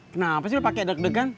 kenapa sih lu pake deg degan